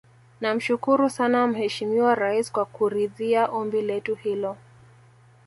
Namshukuru sana Mheshimiwa Rais kwa kuridhia ombi letu hilo